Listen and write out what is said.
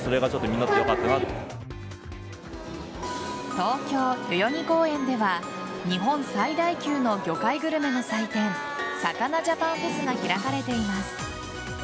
東京・代々木公園では日本最大級の魚介グルメの祭典魚ジャパンフェスが開かれています。